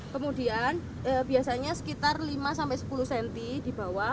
kemudian biasanya sekitar lima sampai sepuluh cm dibawah